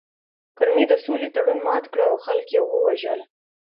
کرمي د سولې تړون مات کړ او خلک یې ووژل